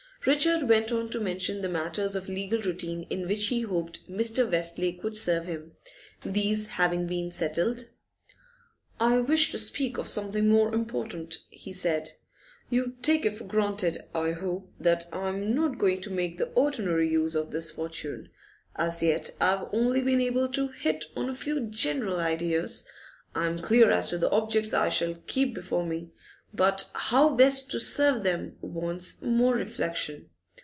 Richard went on to mention the matters of legal routine in which he hoped Mr. Westlake would serve him. These having been settled 'I wish to speak of something more important,' he said. 'You take it for granted, I hope, that I'm not going to make the ordinary use of this fortune. As yet I've only been able to hit on a few general ideas; I'm clear as to the objects I shall keep before me, but how best to serve them wants more reflection.